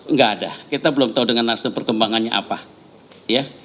nggak ada kita belum tahu dengan nasdem perkembangannya apa ya